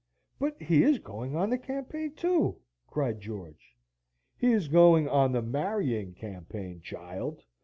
"But he is going on the campaign, too," cried George. "He is going on the marrying campaign, child!"